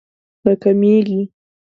راکمېږي